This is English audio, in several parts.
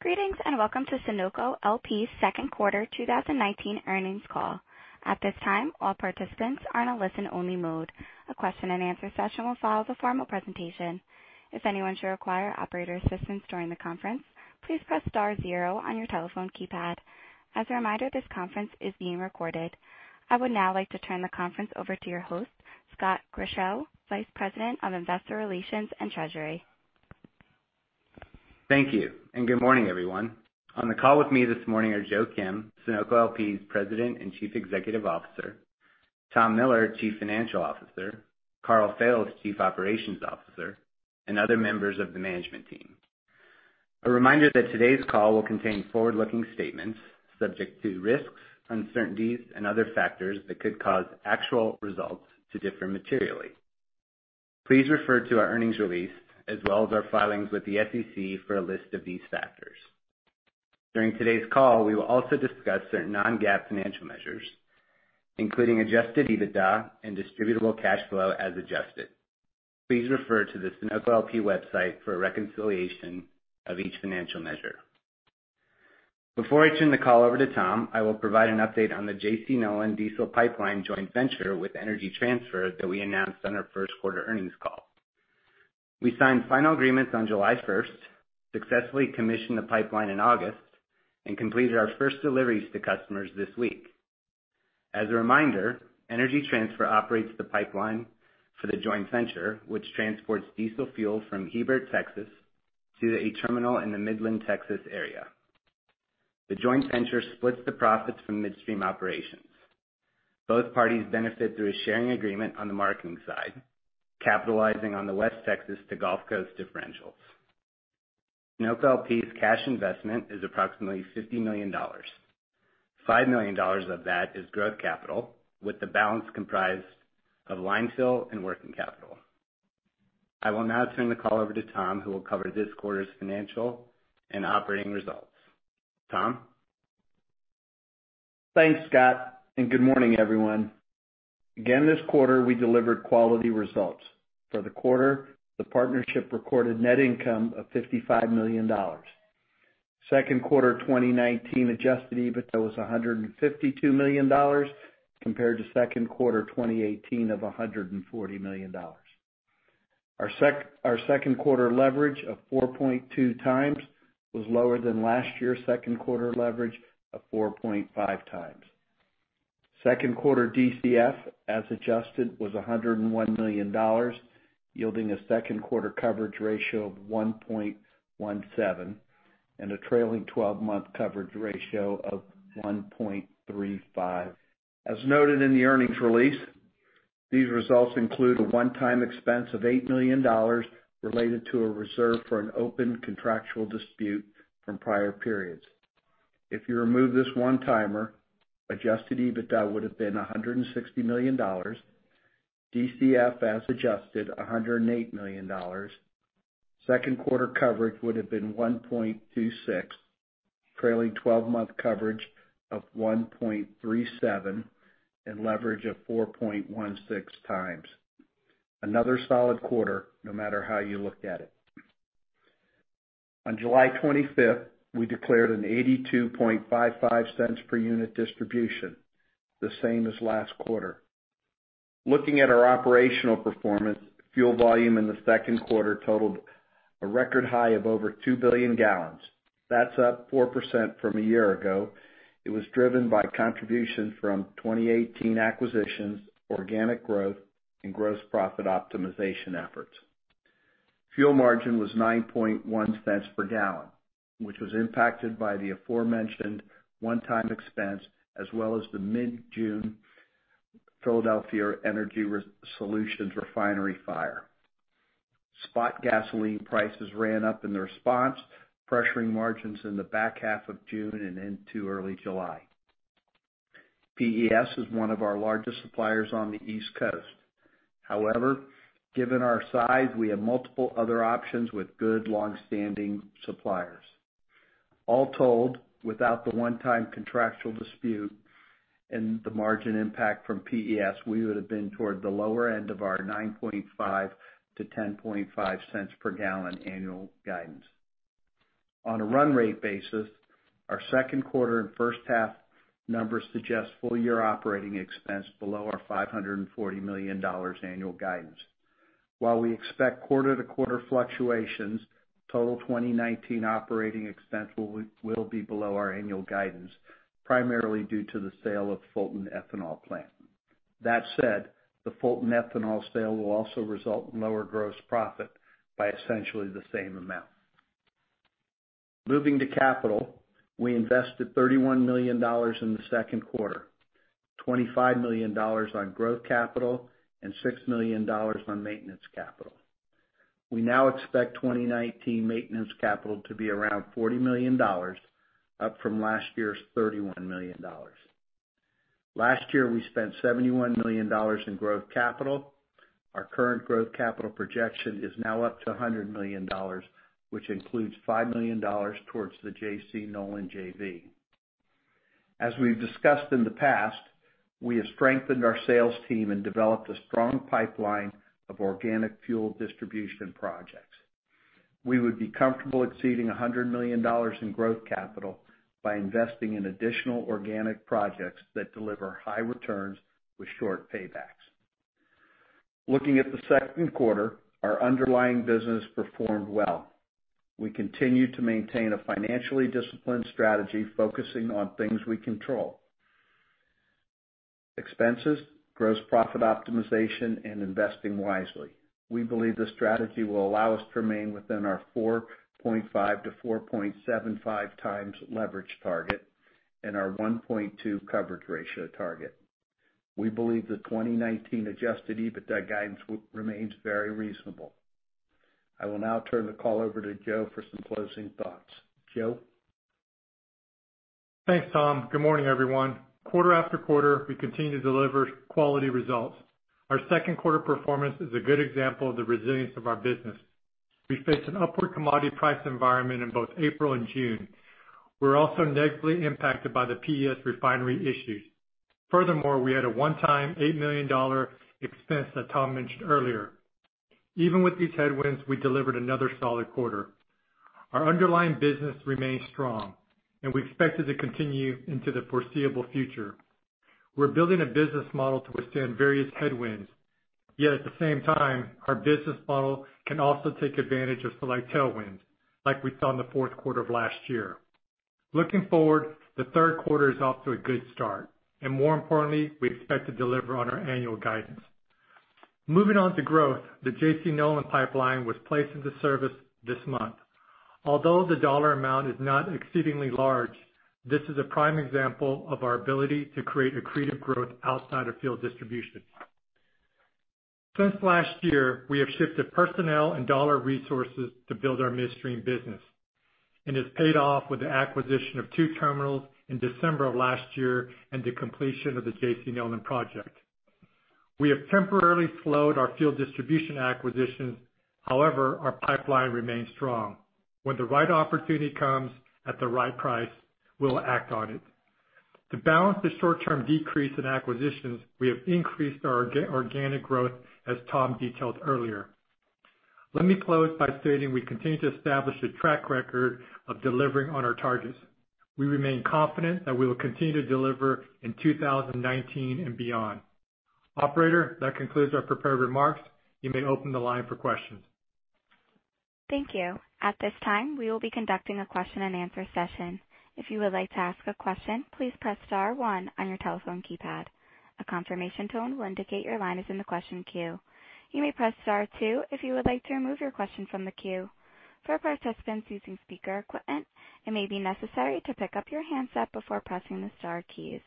Greetings, and welcome to Sunoco LP's 2Q 2019 earnings call. At this time, all participants are in a listen-only mode. A question and answer session will follow the formal presentation. If anyone should require operator assistance during the conference, please press star zero on your telephone keypad. As a reminder, this conference is being recorded. I would now like to turn the conference over to your host, Scott Grischow, Vice President of Investor Relations and Treasury. Thank you. Good morning, everyone. On the call with me this morning are Joe Kim, Sunoco LP's President and Chief Executive Officer; Tom Miller, Chief Financial Officer; Karl Fails, Chief Operations Officer; and other members of the management team. A reminder that today's call will contain forward-looking statements subject to risks, uncertainties, and other factors that could cause actual results to differ materially. Please refer to our earnings release as well as our filings with the SEC for a list of these factors. During today's call, we will also discuss certain non-GAAP financial measures, including adjusted EBITDA and distributable cash flow as adjusted. Please refer to the Sunoco LP website for a reconciliation of each financial measure. Before I turn the call over to Tom, I will provide an update on the J.C. Nolan Diesel Pipeline joint venture with Energy Transfer that we announced on our first quarter earnings call. We signed final agreements on July 1st, successfully commissioned the pipeline in August, and completed our first deliveries to customers this week. As a reminder, Energy Transfer operates the pipeline for the joint venture, which transports diesel fuel from Hebert, Texas, to a terminal in the Midland, Texas, area. The joint venture splits the profits from midstream operations. Both parties benefit through a sharing agreement on the marketing side, capitalizing on the West Texas to Gulf Coast differentials. Sunoco LP's cash investment is approximately $50 million. $5 million of that is growth capital, with the balance comprised of line fill and working capital. I will now turn the call over to Tom, who will cover this quarter's financial and operating results. Tom? Thanks, Scott, good morning, everyone. Again, this quarter, we delivered quality results. For the quarter, the partnership recorded net income of $55 million. Second quarter 2019 adjusted EBITDA was $152 million compared to second quarter 2018 of $140 million. Our second quarter leverage of 4.2 times was lower than last year's second quarter leverage of 4.5 times. Second quarter DCF as adjusted was $101 million, yielding a second quarter coverage ratio of 1.17 and a trailing 12-month coverage ratio of 1.35. As noted in the earnings release, these results include a one-time expense of $8 million related to a reserve for an open contractual dispute from prior periods. If you remove this one-timer, adjusted EBITDA would've been $160 million. DCF as adjusted, $108 million. Second quarter coverage would've been 1.26. Trailing 12-month coverage of 1.37 and leverage of 4.16 times. Another solid quarter, no matter how you looked at it. On July 25th, we declared an $0.8255 per unit distribution, the same as last quarter. Looking at our operational performance, fuel volume in the second quarter totaled a record high of over 2 billion gallons. That's up 4% from a year ago. It was driven by contribution from 2018 acquisitions, organic growth, and gross profit optimization efforts. Fuel margin was $0.091 per gallon, which was impacted by the aforementioned one-time expense, as well as the mid-June Philadelphia Energy Solutions refinery fire. Spot gasoline prices ran up in the response, pressuring margins in the back half of June and into early July. PES is one of our largest suppliers on the East Coast. Given our size, we have multiple other options with good longstanding suppliers. All told, without the one-time contractual dispute and the margin impact from PES, we would've been toward the lower end of our $0.095-$0.105 per gallon annual guidance. On a run rate basis, our second quarter and first half numbers suggest full-year operating expense below our $540 million annual guidance. While we expect quarter-to-quarter fluctuations, total 2019 operating expense will be below our annual guidance, primarily due to the sale of Fulton Ethanol plant. That said, the Fulton Ethanol sale will also result in lower gross profit by essentially the same amount. Moving to capital, we invested $31 million in the second quarter, $25 million on growth capital and $6 million on maintenance capital. We now expect 2019 maintenance capital to be around $40 million, up from last year's $31 million. Last year, we spent $71 million in growth capital. Our current growth capital projection is now up to $100 million, which includes $5 million towards the J.C. Nolan JV. As we've discussed in the past, we have strengthened our sales team and developed a strong pipeline of organic fuel distribution projects. We would be comfortable exceeding $100 million in growth capital by investing in additional organic projects that deliver high returns with short paybacks. Looking at the second quarter, our underlying business performed well. We continue to maintain a financially disciplined strategy, focusing on things we control. Expenses, gross profit optimization, and investing wisely. We believe this strategy will allow us to remain within our 4.5-4.75 times leverage target and our 1.2 coverage ratio target. We believe the 2019 adjusted EBITDA guidance remains very reasonable. I will now turn the call over to Joe for some closing thoughts. Joe? Thanks, Tom. Good morning, everyone. Quarter after quarter, we continue to deliver quality results. Our second quarter performance is a good example of the resilience of our business. We faced an upward commodity price environment in both April and June. We were also negatively impacted by the PES refinery issues. Furthermore, we had a one-time $8 million expense that Tom mentioned earlier. Even with these headwinds, we delivered another solid quarter. Our underlying business remains strong, and we expect it to continue into the foreseeable future. We're building a business model to withstand various headwinds. Yet at the same time, our business model can also take advantage of select tailwinds, like we saw in the fourth quarter of last year. Looking forward, the third quarter is off to a good start, and more importantly, we expect to deliver on our annual guidance. Moving on to growth, the J.C. Nolan pipeline was placed into service this month. Although the dollar amount is not exceedingly large, this is a prime example of our ability to create accretive growth outside of fuel distribution. Since last year, we have shifted personnel and dollar resources to build our midstream business. It's paid off with the acquisition of two terminals in December of last year and the completion of the J.C. Nolan project. We have temporarily slowed our fuel distribution acquisitions. However, our pipeline remains strong. When the right opportunity comes at the right price, we'll act on it. To balance the short-term decrease in acquisitions, we have increased our organic growth as Tom detailed earlier. Let me close by stating we continue to establish a track record of delivering on our targets. We remain confident that we will continue to deliver in 2019 and beyond. Operator, that concludes our prepared remarks. You may open the line for questions. Thank you. At this time, we will be conducting a question and answer session. If you would like to ask a question, please press star 1 on your telephone keypad. A confirmation tone will indicate your line is in the question queue. You may press star 2 if you would like to remove your question from the queue. For participants using speaker equipment, it may be necessary to pick up your handset before pressing the star keys.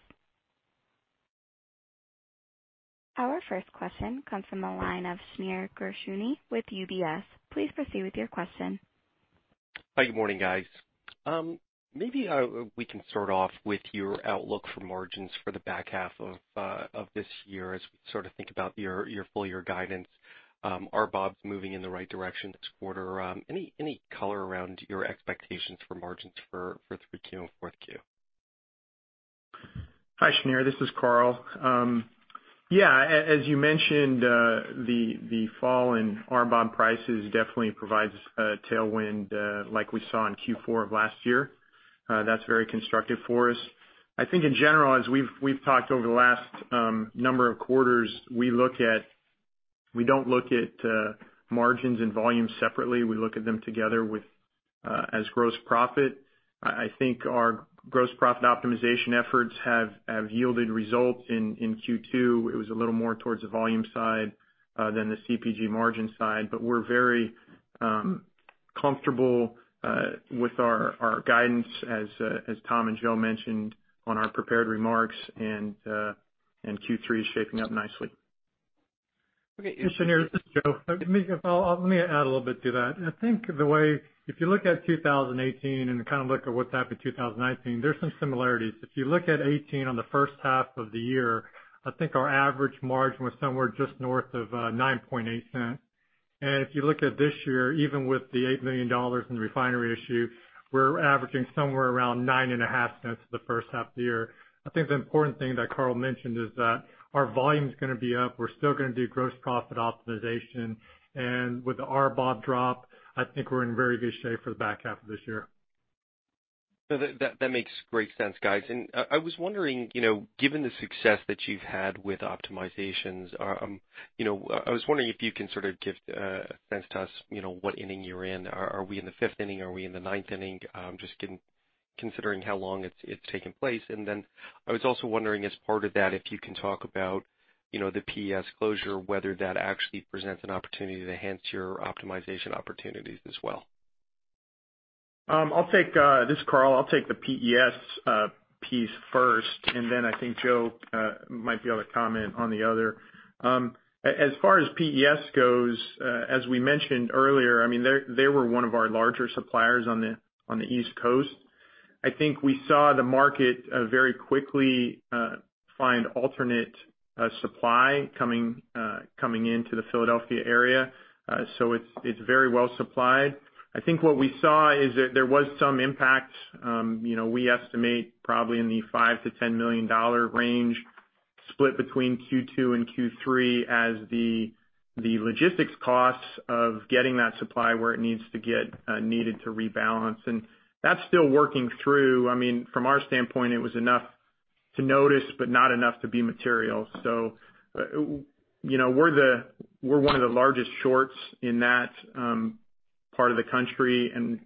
Our first question comes from the line of Shneur Gershuni with UBS. Please proceed with your question. Hi, good morning, guys. Maybe we can start off with your outlook for margins for the back half of this year as we think about your full-year guidance. RBOB is moving in the right direction this quarter. Any color around your expectations for margins for three Q and fourth Q? Hi, Shneur. This is Karl. As you mentioned, the fall in RBOB prices definitely provides a tailwind like we saw in Q4 of last year. That's very constructive for us. I think in general, as we've talked over the last number of quarters, we don't look at margins and volumes separately. We look at them together as gross profit. I think our gross profit optimization efforts have yielded results in Q2. It was a little more towards the volume side than the CPG margin side. We're very comfortable with our guidance as Tom and Joe mentioned on our prepared remarks, and Q3 is shaping up nicely. Okay. Shneur, this is Joe. Let me add a little bit to that. I think if you look at 2018 and look at what's happened in 2019, there's some similarities. If you look at 2018 on the first half of the year, I think our average margin was somewhere just north of $0.098. If you look at this year, even with the $8 million in the refinery issue, we're averaging somewhere around $0.095 for the first half of the year. I think the important thing that Karl mentioned is that our volume's going to be up. We're still going to do gross profit optimization. With the RBOB drop, I think we're in very good shape for the back half of this year. That makes great sense, guys. I was wondering, given the success that you've had with optimizations, I was wondering if you can give a sense to us, what inning you're in. Are we in the fifth inning? Are we in the ninth inning? Just considering how long it's taken place. I was also wondering, as part of that, if you can talk about the PES closure, whether that actually presents an opportunity to enhance your optimization opportunities as well. This is Karl. I'll take the PES piece first, then I think Joe might be able to comment on the other. As far as PES goes, as we mentioned earlier, they were one of our larger suppliers on the East Coast. I think we saw the market very quickly find alternate supply coming into the Philadelphia area. It's very well supplied. I think what we saw is that there was some impact. We estimate probably in the $5 million-$10 million range. Split between Q2 and Q23 as the logistics costs of getting that supply where it needs to get, needed to rebalance. That's still working through. From our standpoint, it was enough to notice, but not enough to be material. We're one of the largest shorts in that part of the country, and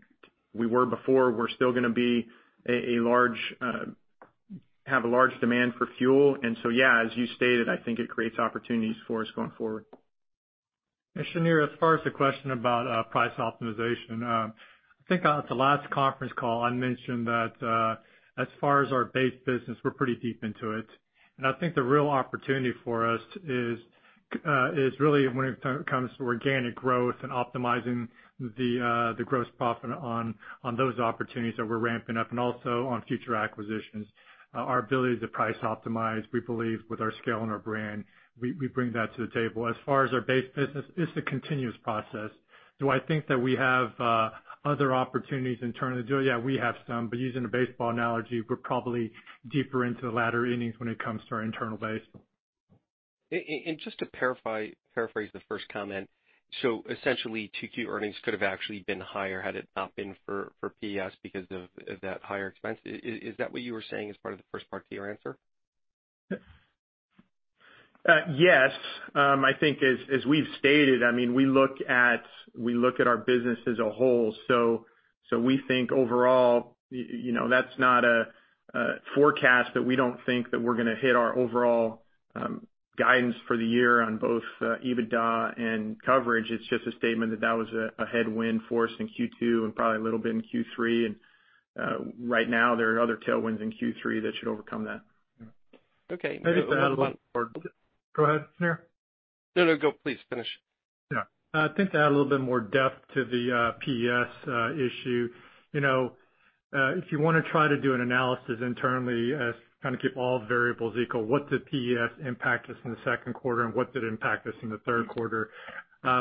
we were before, we're still going to have a large demand for fuel. Yeah, as you stated, I think it creates opportunities for us going forward. Shneur, as far as the question about price optimization, I think on the last conference call, I mentioned that, as far as our base business, we're pretty deep into it. I think the real opportunity for us is really when it comes to organic growth and optimizing the gross profit on those opportunities that we're ramping up, and also on future acquisitions. Our ability to price optimize, we believe with our scale and our brand, we bring that to the table. As far as our base business, it's a continuous process. Do I think that we have other opportunities internally to do it? Yeah, we have some, but using a baseball analogy, we're probably deeper into the latter innings when it comes to our internal base. Just to paraphrase the first comment, essentially, 2Q earnings could have actually been higher had it not been for PES because of that higher expense. Is that what you were saying as part of the first part to your answer? Yes. I think as we've stated, we look at our business as a whole. We think overall, that's not a forecast, but we don't think that we're going to hit our overall guidance for the year on both EBITDA and coverage. It's just a statement that that was a headwind for us in Q2 and probably a little bit in Q3. Right now, there are other tailwinds in Q3 that should overcome that. Okay. Go ahead, Shneur. No, please finish. I think to add a little bit more depth to the PES issue. If you want to try to do an analysis internally as kind of keep all variables equal, what did PES impact us in the second quarter and what did impact us in the third quarter?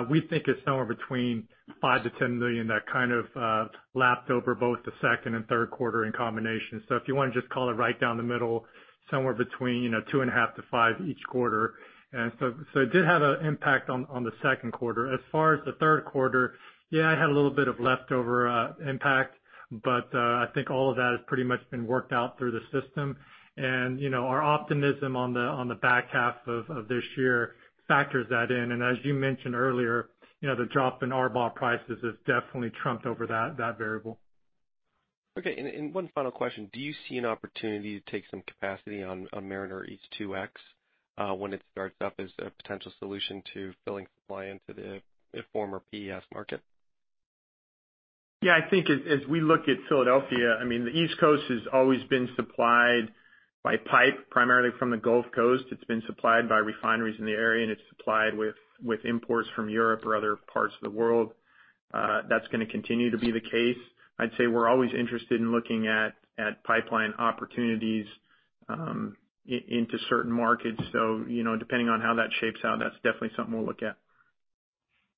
We think it's somewhere between $5 million-$10 million that kind of lapped over both the second and third quarter in combination. If you want to just call it right down the middle, somewhere between $2.5 million-$5 million each quarter. It did have an impact on the second quarter. As far as the third quarter, it had a little bit of leftover impact, but I think all of that has pretty much been worked out through the system. Our optimism on the back half of this year factors that in. As you mentioned earlier, the drop in RBOB prices has definitely trumped over that variable. Okay, one final question. Do you see an opportunity to take some capacity on Mariner East 2X when it starts up as a potential solution to filling supply into the former PES market? I think as we look at Philadelphia, the East Coast has always been supplied by pipe, primarily from the Gulf Coast. It's been supplied by refineries in the area, and it's supplied with imports from Europe or other parts of the world. That's going to continue to be the case. I'd say we're always interested in looking at pipeline opportunities into certain markets. Depending on how that shapes out, that's definitely something we'll look at.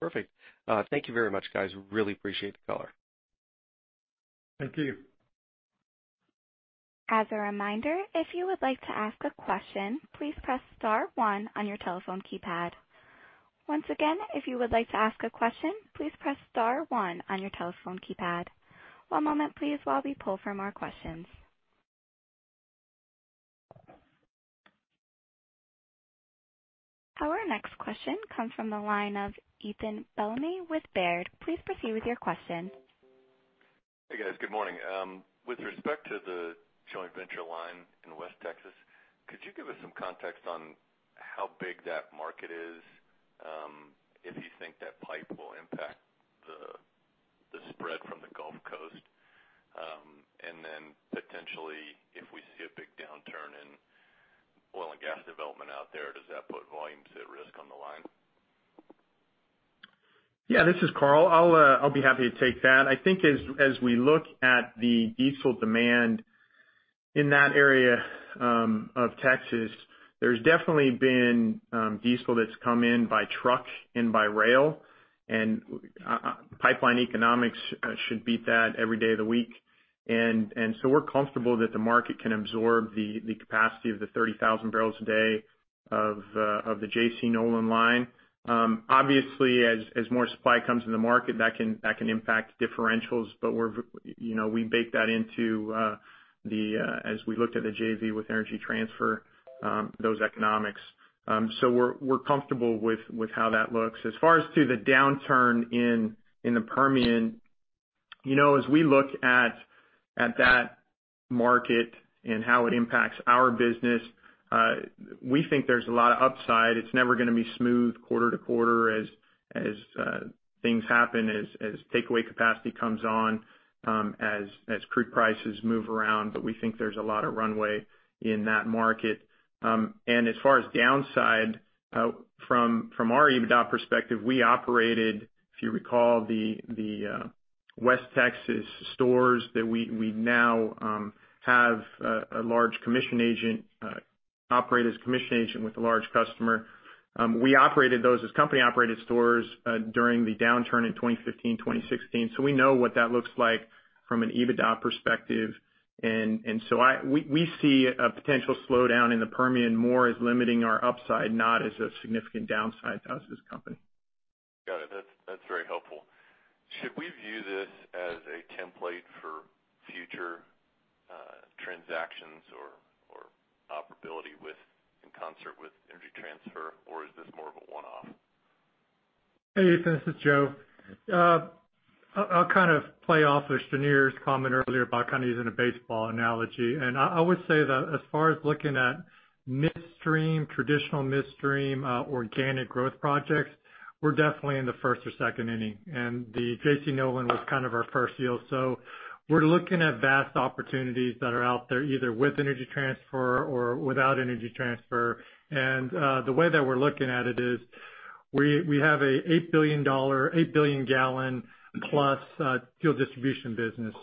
Perfect. Thank you very much, guys. Really appreciate the call. Thank you. As a reminder, if you would like to ask a question, please press star one on your telephone keypad. Once again, if you would like to ask a question, please press star one on your telephone keypad. One moment, please, while we pull from more questions. Our next question comes from the line of Ethan Bellamy with Baird. Please proceed with your question. Hey, guys. Good morning. With respect to the joint venture line in West Texas, could you give us some context on how big that market is? If you think that pipe will impact the spread from the Gulf Coast. Then potentially, if we see a big downturn in oil and gas development out there, does that put volumes at risk on the line? This is Karl. I'll be happy to take that. I think as we look at the diesel demand in that area of Texas, there's definitely been diesel that's come in by truck and by rail, pipeline economics should beat that every day of the week. We're comfortable that the market can absorb the capacity of the 30,000 barrels a day of the J.C. Nolan line. Obviously, as more supply comes in the market, that can impact differentials, but we bake that into as we looked at the JV with Energy Transfer, those economics. We're comfortable with how that looks. To the downturn in the Permian, as we look at that market and how it impacts our business, we think there's a lot of upside. It's never going to be smooth quarter to quarter as things happen, as takeaway capacity comes on, as crude prices move around, we think there's a lot of runway in that market. As far as downside from our EBITDA perspective, we operated, if you recall, the West Texas stores that we now have a large commission agent operate as a commission agent with a large customer. We operated those as company-operated stores during the downturn in 2015, 2016. We know what that looks like from an EBITDA perspective. We see a potential slowdown in the Permian more as limiting our upside, not as a significant downside to us as a company. Got it. That's very helpful. Should we view this as a template for future transactions or operability in concert with Energy Transfer? Is this more of a one-off? Hey, Ethan, this is Joe. I'll kind of play off of Shneur's comment earlier by kind of using a baseball analogy. I would say that as far as looking at midstream, traditional midstream, organic growth projects, we're definitely in the first or second inning. The J.C. Nolan was kind of our first deal. We're looking at vast opportunities that are out there, either with Energy Transfer or without Energy Transfer. The way that we're looking at it is we have an 8 billion gallon plus fuel distribution business.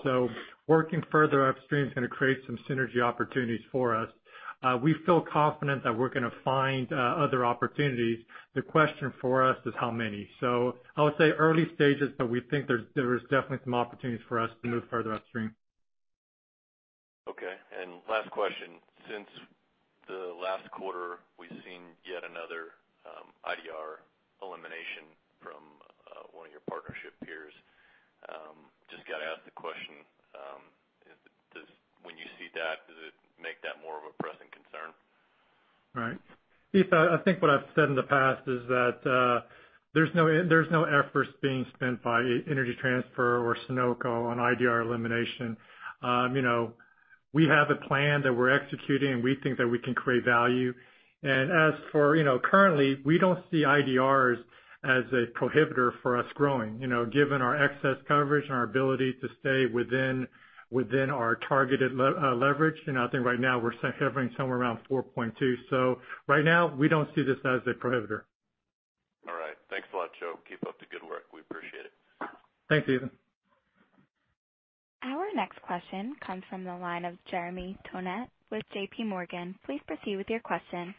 Working further upstream is going to create some synergy opportunities for us. We feel confident that we're going to find other opportunities. The question for us is how many. I would say early stages. We think there is definitely some opportunities for us to move further upstream. Okay. Last question. Since the last quarter, we've seen yet another IDR elimination from one of your partnership peers. Just got to ask the question, when you see that, does it make that more of a pressing concern? Right. Ethan, I think what I've said in the past is that there's no efforts being spent by Energy Transfer or Sunoco on IDR elimination. We have a plan that we're executing, we think that we can create value. As for currently, we don't see IDRs as a prohibitor for us growing, given our excess coverage and our ability to stay within our targeted leverage. I think right now we're hovering somewhere around 4.2. Right now, we don't see this as a prohibitor. All right. Thanks a lot, Joe. Keep up the good work. We appreciate it. Thanks, Ethan. Our next question comes from the line of Jeremy Tonet with J.P. Morgan. Please proceed with your question.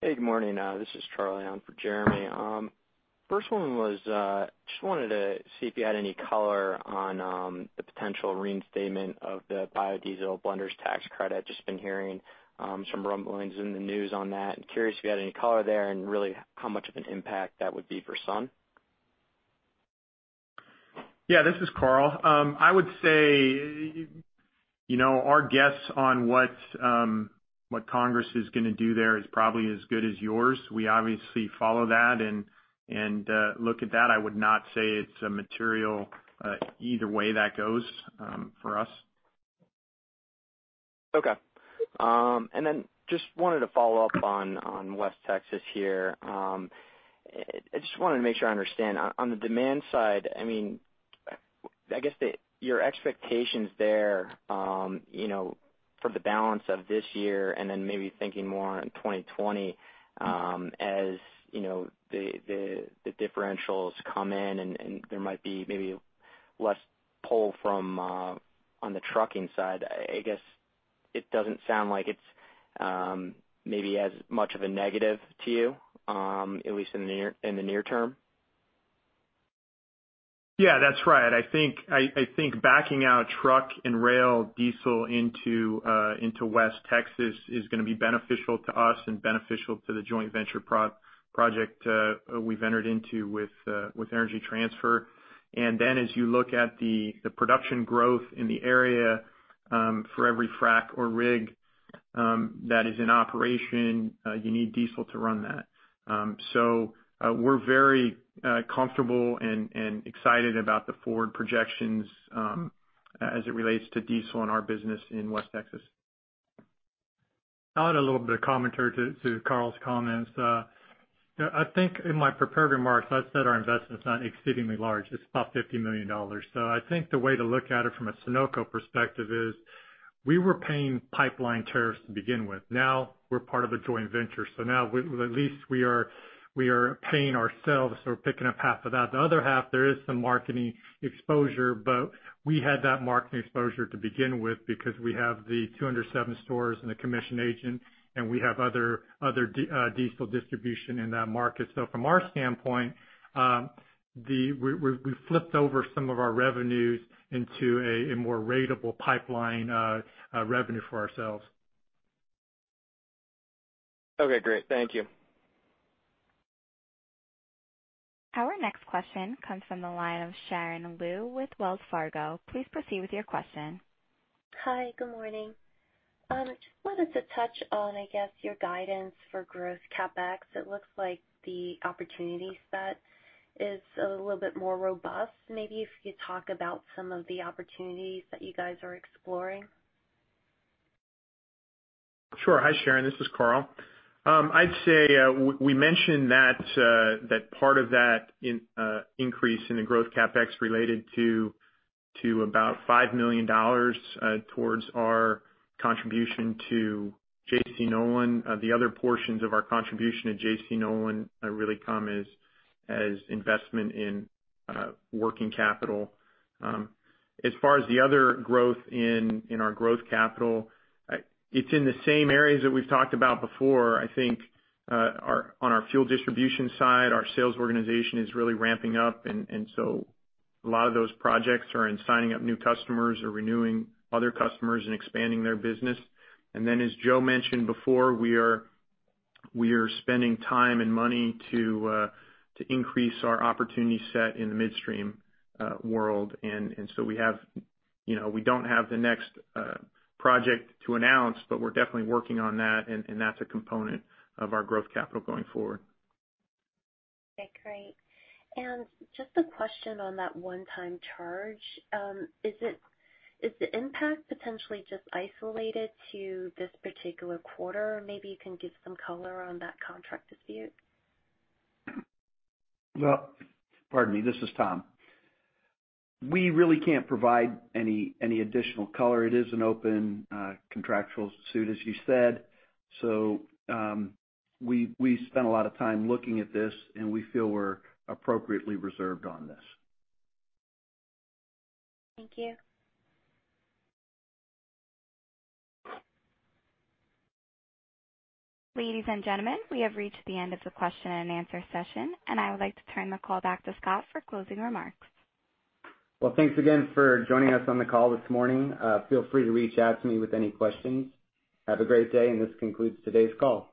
Good morning. This is Charles on for Jeremy. First one was, just wanted to see if you had any color on the potential reinstatement of the biodiesel blenders tax credit. Just been hearing some rumblings in the news on that. I'm curious if you had any color there and really how much of an impact that would be for Sun? Yeah. This is Karl. I would say our guess on what Congress is going to do there is probably as good as yours. We obviously follow that and look at that. I would not say it's material, either way that goes for us. Okay. Just wanted to follow up on West Texas here. I just wanted to make sure I understand. On the demand side, I guess your expectations there for the balance of this year and then maybe thinking more in 2020, as the differentials come in and there might be maybe less pull from on the trucking side, I guess it doesn't sound like it's maybe as much of a negative to you, at least in the near term? Yeah, that's right. I think backing out truck and rail diesel into West Texas is going to be beneficial to us and beneficial to the joint venture project we've entered into with Energy Transfer. As you look at the production growth in the area, for every frac or rig that is in operation, you need diesel to run that. We're very comfortable and excited about the forward projections as it relates to diesel and our business in West Texas. I'll add a little bit of commentary to Karl's comments. I think in my prepared remarks, I said our investment is not exceedingly large. It's about $50 million. I think the way to look at it from a Sunoco perspective is we were paying pipeline tariffs to begin with. Now we're part of a joint venture. Now at least we are paying ourselves or picking up half of that. The other half, there is some marketing exposure, but we had that marketing exposure to begin with because we have the 207 stores and the commission agent, and we have other diesel distribution in that market. From our standpoint, we flipped over some of our revenues into a more ratable pipeline revenue for ourselves. Okay, great. Thank you. Our next question comes from the line of Sharon Lui with Wells Fargo. Please proceed with your question. Hi, good morning. Just wanted to touch on, I guess, your guidance for growth CapEx. It looks like the opportunity set is a little bit more robust. Maybe if you talk about some of the opportunities that you guys are exploring? Sure. Hi, Sharon. This is Karl. I'd say we mentioned that part of that increase in the growth CapEx related to about $5 million towards our contribution to J.C. Nolan. The other portions of our contribution to J.C. Nolan really come as investment in working capital. As far as the other growth in our growth capital, it's in the same areas that we've talked about before. I think on our fuel distribution side, our sales organization is really ramping up, and so a lot of those projects are in signing up new customers or renewing other customers and expanding their business. As Joe mentioned before, we are spending time and money to increase our opportunity set in the midstream world. We don't have the next project to announce, but we're definitely working on that, and that's a component of our growth capital going forward. Okay, great. Just a question on that one-time charge. Is the impact potentially just isolated to this particular quarter? Maybe you can give some color on that contract dispute. Well, pardon me, this is Tom. We really can't provide any additional color. It is an open contractual dispute, as you said. We spent a lot of time looking at this, and we feel we're appropriately reserved on this. Thank you. Ladies and gentlemen, we have reached the end of the question and answer session. I would like to turn the call back to Scott for closing remarks. Well, thanks again for joining us on the call this morning. Feel free to reach out to me with any questions. Have a great day, this concludes today's call.